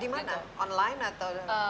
di mana online atau